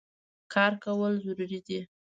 کار کول ضرور دي